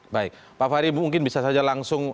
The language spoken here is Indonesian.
baik pak fahri mungkin bisa saja langsung